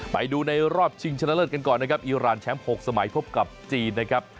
ไปดูในรอบชิงชนะเลิศกันก่อนนะครับอีรานแชมป์๖สมัยพบกับจีนนะครับ